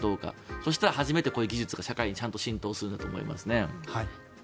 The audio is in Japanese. そうしたら初めてこういう技術が社会に浸透するんだと思います。